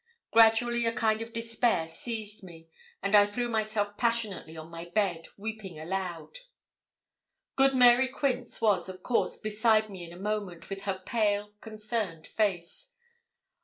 Gradually a kind of despair seized me, and I threw myself passionately on my bed, weeping aloud. Good Mary Quince was, of course, beside me in a moment, with her pale, concerned face.